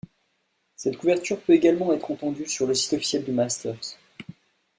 Cette couverture peut également être entendu sur le site officiel du Masters.